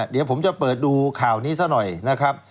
เดี๋ยวผมจะเปิดดูข่าวนี้ซะหน่อยนะครับ